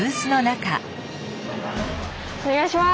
お願いします。